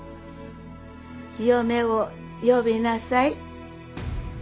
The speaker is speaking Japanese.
嫁を呼びなさい。